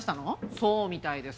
そうみたいです。